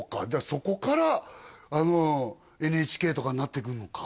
そこからＮＨＫとかになっていくのか？